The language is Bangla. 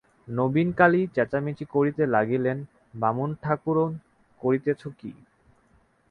নবীনকালী চেঁচামেচি করিতে লাগিলেন, বামুন-ঠাকরুন, করিতেছ কী!